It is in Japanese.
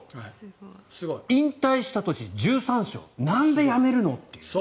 引退した年、１３勝なんでやめるの？って。